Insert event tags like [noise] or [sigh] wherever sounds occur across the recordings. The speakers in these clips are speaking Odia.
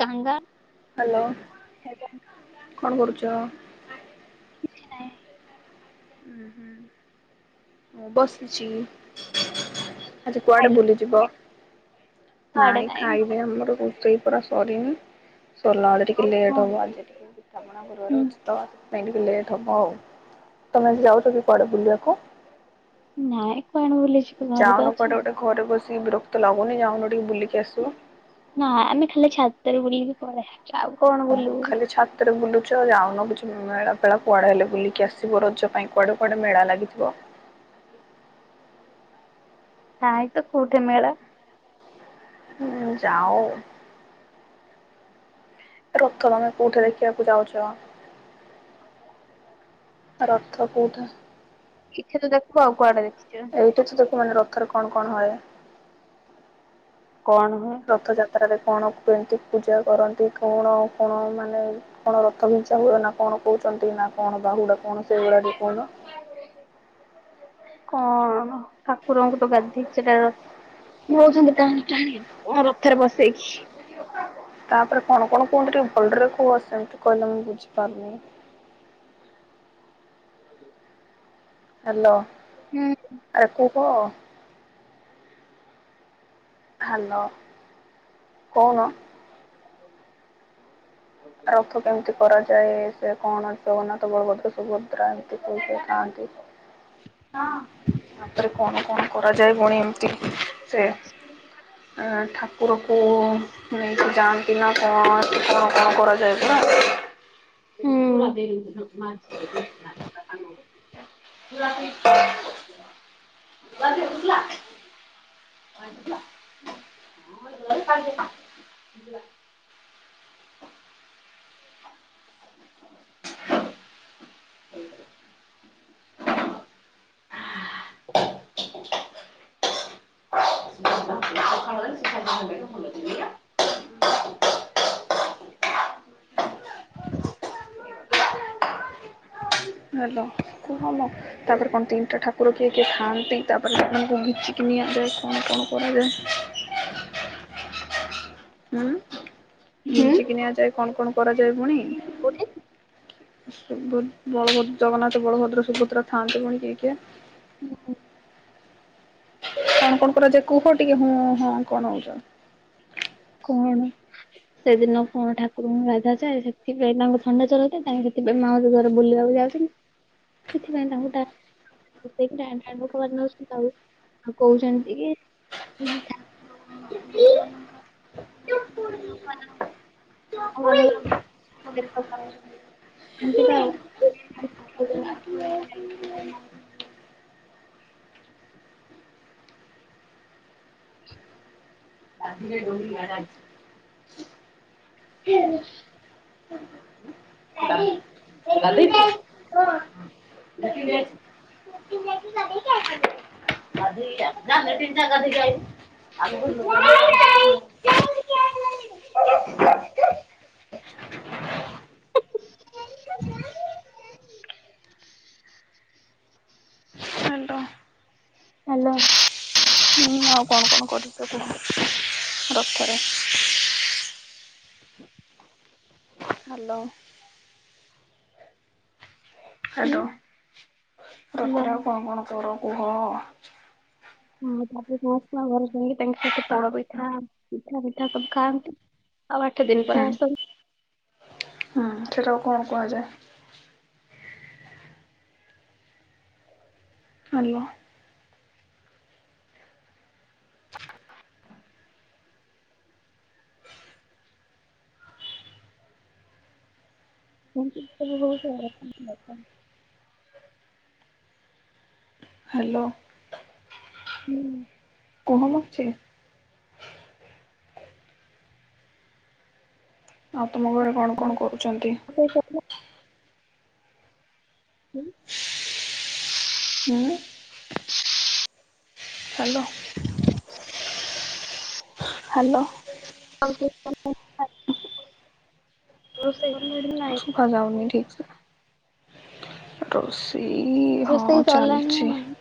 କାଙ୍ଗାଳ ହାଲୋ କଣ୍ କରୁଚ? କିଛି ନାଇଁ। ହୁଁ -ହୁଁ ମୁଁ ବସିଚି। ଆଜି କୁଆଡେ ବୁଲିଯିବ? ନାଇଁ ଆମର ରୋଷେଇ ପରା ସରିନି ସରିଳାବଳୁକୁ ଟିକେ ଲେଟ୍ ହବ ଆଜି ଟିକେ ପିଠାପଣା କରିବାର ଅଛି ତ ସେଥିପାଇଁ ଟିକେ ଲେଟ୍ ହେବ ଆଉ। ତମେ ଆଜି ଯାଉଚ କି କୁଆଡେ ବୁଲିବାକୁ? ନାଇଁ। କଣ ବୁଲିଯିବୁ ଘରେ ତ ଯାଉନୁ ଅଛୁ। କୁଆଡେ ଗୋଟେ ଘରେ ବସିକି ବିରକ୍ତ ଲାଗୁନି ଯାଉନୁ ଟିକେ ବୁଲିକି ଆସିବୁ। ନା ଆମେ ଖାଲି ଛାତରେ ବୁଲିକି ପଳି ଆଉ କଣ? ବୁଲିବୁ। ଖାଲି ଛାତରେ ବୁଲୁଚ ଯାଉନ କିଛି ମେଳାପେଳା କୁଆଡେ ହେଲେ ବୁଲିକି ଆସିବ ରଜ ପାଇଁ। କୁଆଡ଼େ କୁଆଡ଼େ ମେଳା ଲାଗିଥିବ। [unintelligible] କୋଉଠି ମେଳା। ହୁଁ ଯାଅ ରଥମେ କୋଉଠି ଦେଖିବାକୁ ଚାହୁଁଚ? ରଥ କୋଉଠା କିଛି ତୁ ଦେଖୁ ଆଉ କୁଆଡେ ଦେଖି [unintelligible] [unintelligible] ରଥରେ କଣ କଣ ହୁଏ? କଣ ହୁଏ? ରଥଯାତ୍ରାରେ କଣ କୁହନ୍ତି ପୂଜା କରନ୍ତି କଣ [unintelligible] କଣ ମାନେ କଣ ରଥ [unintelligible] ହୁଏ ନା କଣ କହୁଛନ୍ତି ନା କଣ ବାହୁଡା କଣ ସେଇଭୁଡ [unintelligible] କଣ ଠାକୁରଙ୍କୁ ତ ଗାଧେଇକି [unintelligible] ହଉଛନ୍ତି ଟାଣି ଟାଣି ରଥ [unintelligible] ତାପରେ କଣ କଣ କୁହୁନ୍ତି ଭଲରେ କହୁ ସେମିତି କହିଲେ ମୁଁ ବୁଝିପାରୁନି। ହ୍ୟାଲୋ ହୁଁ। ଆରେ କୁ କହ? ହ୍ୟାଲୋ ହୁଁ। କହୁନ? ରଥ କେମିତି କରାଯାଏ ସେ [unintelligible] [unintelligible] ତାପରେ କଣ କଣ କରାଯାଏ ପୁଣି ଏମିତି ସେ ଠାକୁରକୁ ନେଇକି ଯାଆନ୍ତି ନା କଣ କଣ କରାଯାଏ ହୁଁ। [inaudible] [inaudible] [inaudible] ହ୍ୟାଲୋ କୁହ [unintelligible] ତାପରେ କଣ ତିନଟା ଠାକୁର କିଏ କିଏ ଥାଆନ୍ତି? ତାପରେ ତାଙ୍କୁ [unintelligible] କଣ କଣ କରାଯାଏ? ହୁଁ ହୁଁ। ନିିଞ୍ଚିକି ନିଆଯାଏ କଣ କଣ କରାଯାଏ ପୁଣି? କୋଉଠି? [unintelligible] ହୁଁ। କଣ କଣ କରାଯାଏ କୁହ ଟିକେ ହୁଁ ହଁ କଣ ହଉଚ? କଣ ସେଦିନ କଣ ଠାକୁରଙ୍କୁ ଗାଧାଯାଏ, ସେଥିପାଇଁ ତାଙ୍କୁ ଥଣ୍ଡା ଜର ହେଇଥାଏ ହେତି ଏବେ ମାଉସୀ ଘର ବୁଲିବାକୁ ଯାଉଛନ୍ତି। ସେଥିପାଇଁ ତାଙ୍କୁ ଟା ଟାଣି ନଉ [unintelligible] ଆଉ କହୁଛନ୍ତି କି ତିନି ଠା ି ଯ [inaudible] [unintelligible] ହ୍ୟାଲୋ [unintelligible] ହ୍ୟାଲୋ [unintelligible] ହ [inaudible] [unintelligible] [inaudible] [unintelligible] [unintelligible] ହୁଁ ଆଉ କଣ କଣ କରିଛ କୁହ ରଥରେ? ହ୍ୟାଲୋ। ହ୍ୟାଲୋ ରଥରେ ଆଉ କଣ କଣ କର କୁହ? ହୁଁ ତାପରେ ମାଉସୀ ମାଙ୍କ ଘରେ ଯାଇକି ତାଙ୍କ ସହିତ ପୋଡ଼ ପିଠା ପିଠା ମିଠା ସବୁ ଖାଆନ୍ତି। ଆଉ ଆଠ ଦିନ ହୁଁ ପରେ ଆସନ୍ତି। ହୁଁ ସେଟାକୁ କଣ କୁହାଯାଏ? ହ୍ୟାଲୋ। [unintelligible] ହ୍ୟାଲୋ। ହୁଁ। କୁହମ କିଛି। ଆଉ ତମ ଘରେ କଣ କଣ କରୁଚନ୍ତି? ସେଇ କଥା ହୁଁ ହୁଁଉଁ। ହ୍ୟାଲୋ। ହ୍ୟାଲୋ। ଆଉ ସବୁ କଣ କଣ ରୋଷେଇ କଲଣି ନା ନାଇଁ? ଶୁଭା ଯାଉନି ଠିକ୍ ସେ। ରୋଷେଇ ହଁ ରୋଷେଇ ସରିଲାଣି ନା ନାଇଁ? ରୋଷେଇ ସରିଲାଣି ନା ଚାଲିଚି। ନାଇଁ?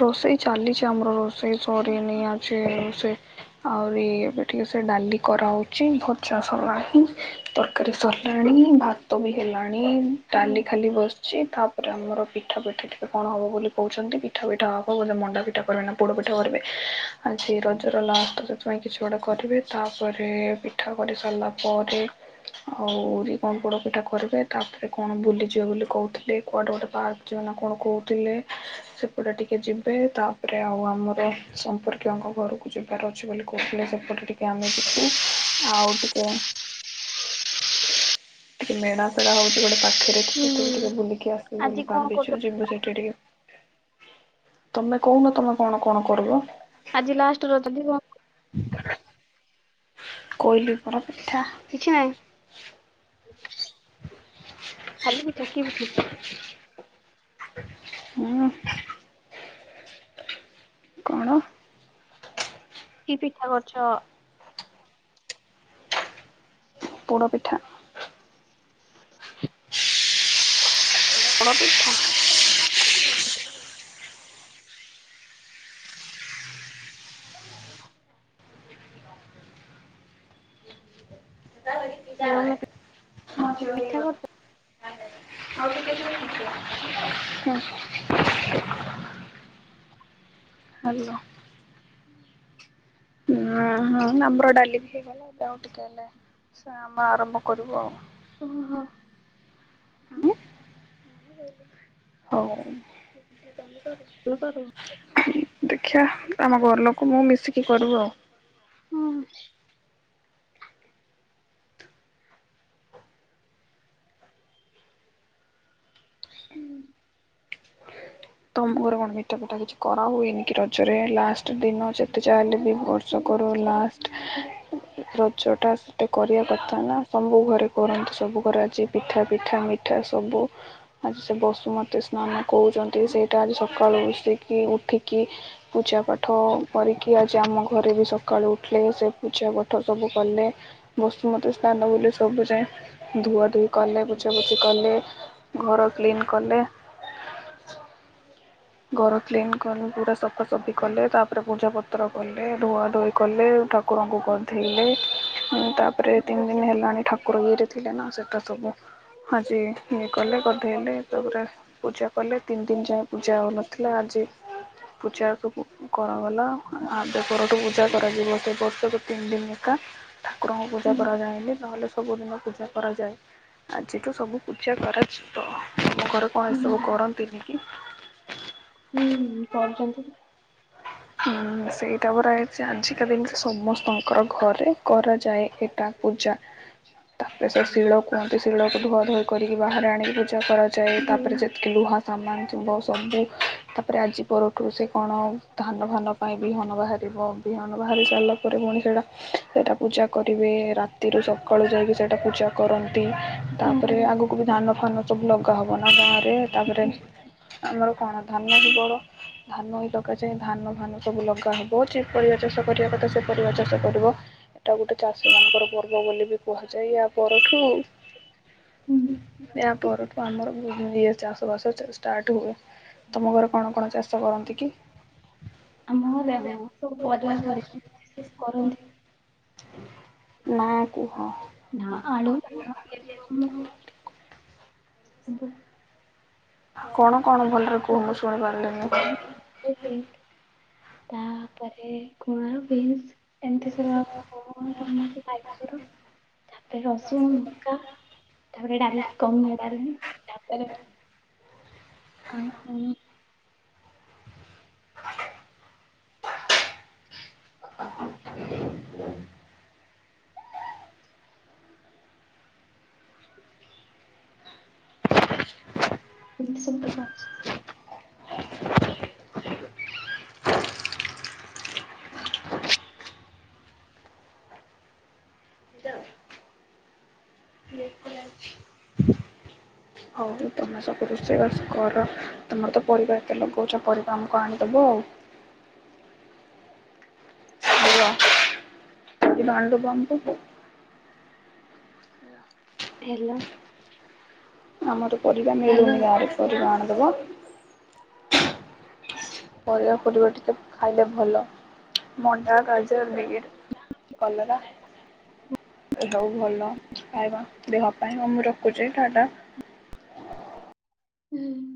ରୋଷେଇ ଚାଲିଚି ଆମର ରୋଷେଇ ସରିନି ଓହୋ ଆଜି ସେ ଆହୁରି ଏବେ ଟିକେ ସେ ଡାଲି କରାହୋଉଚି ଭଜା ସରିଲାଣି। ତରକାରୀ ସରିଲାଣି ଭାତ ବି ହେଲାଣି। ହୁଁ ଡାଲି ଖାଲି ବସିଛି ତାପରେ ଆମର ପିଠା ପିଠି ଟିକେ କଣ ହବ ବୋଲି କହୁଛନ୍ତି। ପିଠା ପିଠା ହବ ମଣ୍ଡା ପିଠା କରିବି ନା ପୋଡ ପିଠା ହେ--କରିବି ଆଜି ରଜର ଲାଷ୍ଟ ସେଥିପାଇଁ କିଛି ଗୋଟେ କରିବି ତାପରେ ପିଠା ପିଠି କରିସାରିଲା ପରେ। ଆଉ ରି କଣ ପୋଡ ପିଠା କରିବେ ତାପରେ କଣ ବୁଲିଯିବେ ବୋଲି କହୁଥିଲେ କୁଆଡେ ଗୋଟେ ପା ଯୋଉ ଆପଣ କଣ କହୁଥିଲେ ସେ ପଟେ ଟିକେ ଯିବେ ତାପରେ ଆଉ ଆମର ସମ୍ପର୍କୀୟଙ୍କ ଘରକୁ ଯିବାର ଅଛି ବୋଲି କହୁଥି ସେପଟେ ଟି। କି ଆମେ କିଛି [unintelligible] ଆଉ ଟିକେ ଟିକେ ମେଳା ଫେଳା ହୋଉଚି ଗୋଟେ ପାଖରେ। ସେଠି ବି ହୁଁ ଟିକେ ବୁଲିକି ଆସିବୁ ଆଜି ବୋଲି କଣ କରୁଛ? ଭାବିଛୁ ଯିବୁ ସେଠି ଟିକେ। ତମେ କହୁନ ତମେ କଣ କଣ କରିବ? ଆଜି ଲାଷ୍ଟ ରଜ ଥିବ ହ [inaudible] କଇଲି ପରା ପିଠା। କିଛି ନାହିଁ। [inaudible] ଖାଲି ପିଠା କିଏ ବି ଥିବ ଉଁ କଣ? କି ପିଠା କରିଛ? ପୋଡ଼ ପିଠା। ପୋଡ଼ ପିଠା। ଠିଆ ହୋଉନି ପିଠା କରିଥିଲ [unintelligible] ହୁଁ। ହ୍ୟାଲୋ। ହୁଁ ଆମର ଡାଲି ବି ହେଇଗଲା ଏବେ ଆଉ ଟିକେ ହେଲେ ଆମ ଆରମ୍ଭ କରିବୁ ଆଉ। ଓହୋ। ଉଁ ହୋଉ। [unintelligible] ଦେଖିବା ଆମ ଘର ଲୋକ ମୁଁ ମିଶିକି କରୁବୁ ଆଉ। ହଁ। ହୁଁ ତମ ଘର କଣ ମିଠା ପିଠା କିଛି କରା ହୁଏନି କି ରଜ ରେ ଲାଷ୍ଟ ଦିନ ଯେତେ ଯାହାହେଲେ ବି ବର୍ଷ କର ଲାଷ୍ଟ ରଜ ଟା ସେତେ କରିବା କଥା ନା ସବୁ ଘରେ କରନ୍ତି ସବୁ ଘରେ ଆଜି ପିଠା ପିଠା ମି ଏଠା ସବୁ ଆଜି ସେ ବସୁମତୀ ସ୍ନାନ କୁ ଠି ସେଇଟା ଆଜି ସକାଳୁ ଉସିକି ଉଠିକି ପୂଜା ପାଠ କରିକି ଆ ସେ ଆମ ଘରେ ବି ସକାଳୁ ଉଠିଲେ ସେ ପୂଜା ପାଠ ସବୁ କଲେ। ବସୁମତୀ ସ୍ନାନ ବୁଲେ ସବୁ ସେ ଧୁଆ ଧୁଇ କଲେ ପୁଛା ପୁଛି କଲେ। ଘର କ୍ଲିନ୍ କଲେ। ଘର କ୍ଲିନ କଲେ ପୁରା ସଫାସଫି କଲେ ତାପରେ ପୂଜା ପତ୍ର କଲେ ଧୁଆ ଧୋଇ କଲେ ଠ କୁରଙ୍କୁ ଗାଧେଇଲେ ମୁଁ ତାପରେ ତିନି ଦିନ ହେଲାଣି ଠାକୁର ଇଏରେ ଥିଲେ ନା ସେଇଟା ସବୁ। ଆଜି ଇଏ କଲେ ଗଧେଇଲେ ତାପରେ ପୂଜା କଲେ ତିନି ଦିନ ଯାଏ ପୂ ଯାଉନଥିଲା ଆଜି ପୂଜା ସବୁ କରାଗଲା ଆ ଦେପରଠୁ ପୂଜା କରାଯିବ ସେପ [unintelligible] ତିନି ଦିନ ଏକା ଠାକୁରଙ୍କୁ ପୂଜା କରାଯାଏନି ନହେଲେ ସବୁଦିନ ପୂଜା କରାଯାଏ। ଆଜିଠୁ ସବୁ ପୂଜା କରାଯିବ। ତମ ଘରେ କଣ ଏସବୁ ହୁଁ କରନ୍ତିନି କି? ହୁଁ କରୁଛନ୍ତି। ହାଁ ସେଇଟା ପରା [unintelligible] ଆଜିକାଲି [unintelligible] ସମସ୍ତଙ୍କର ଘରେ କରାଯାଏ ଏଟା ପୂଜା। [unintelligible] କାନ୍ତି ଶିଳକୁ ଧୁଆ ଧୁଇ କରିକି ବାହାରେ ଆଣିକି ପୂଜା କରାଯାଏ। ତାପରେ ଯେତିକି ଲୁହା ସାମାନ ଥିବ ସବୁ ତାପରେ ଆଜି ପରଠୁ ସେ କଣ ଧାନ ଫାନ ପାଇଁ ବିହନ ବାହାରୁ ଏବଂ ବିହନ ବାହାରି ସାରିଲା ପରେ ପୁଣି ସେଟା ସେଇଟା ପୂଜା କରିବେ। ରାତିରୁ ସକାଳୁ ଯାଇକି ସେଇଟା ପୂଜା କରନ୍ତି ହୁଁ ତାପରେ ଆଗକୁ ବି ଧାନ ଫାନ ସବୁ ଲଗାହବ ନା ଗାଁରେ ତାପରେ ଆମର କଣ ଧାନ ବି ବଡ ଧାନ [unintelligible] କଯେ ଧାନ ଫାନ ସବୁ ଲଗା ହବ ଯେ ପରିବା ଚାଷ କରିବା କଥା ସେ ପରିବା ଚାଷ କରିବ। ଏଇଟା ଗୋଟେ ଚାଷୀ ମାନଙ୍କର ପର୍ବ ବୋଲି ବି କୁହାଯାଏ। ୟା ପରଠୁ ୟା ପରଠୁ ଆମର [unintelligible] ଚାଷ ବାସ ଷ୍ଟାର୍ଟ ହୁଏ। ତମ ଘରେ ହୁଁ। କଣ କଣ ଚାଷ କରନ୍ତି କି? ଆମ ଘରେ ହଁ ସବୁ ପରିବା [unintelligible] କରନ୍ତି। ନା କୁହ ନା ଆଳୁ [unintelligible] [inaudible] କଣ କଣ ଭଲରେ କୁହ ମୁଁ ଶୁଣିପାରିଲି [inaudible] ବିଟ୍, ତାପରେ କୁଣା ବିନ୍ସ ଏମତି ସବୁ [unintelligible] ଟମାଟ [unintelligible] ତାପରେ ରସୁଣ ମକା ତାପରେ ଡାଲି [unintelligible] ଡାଲି ତାପରେ ଆଉ କଣ [inaudible] [inaudible] [unintelligible] ହଉ ତମେ ସବୁ ରୋଷେଇ ବାସ କର। ତମର ତ ପରିବା ଏତେ ଲଗଉଛ ପରିବା ଆମକୁ ଆଣିଦବ ଆଉ। କେବେ ଆଣିଦେବ ଆମକୁ [unintelligible] ଆମର ପରିବା ହେଲୋ ମିଳୁନି ଗାଁରେ ପରିବା ଆଣିଦବ। [inaudible] ପରିବା ଫରିବା ଟିକେ ଖାଇଲେ ଭଲ ମଣ୍ଡା ଗାଜରବିଟ କଲରା ଏସବୁ ଭଲ ଖାଇବା ଦେହ ପାଇଁ ଆଉ ମୁଁ ରଖୁଛି ଟାଟା। ହୁଁ।